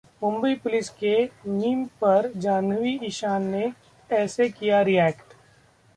Mumbai police के meme पर जाह्नवी-ईशान ने ऐसे किया रिएक्ट